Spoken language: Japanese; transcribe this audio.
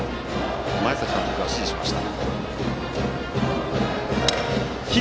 前崎監督が指示をしました。